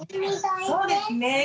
そうですね。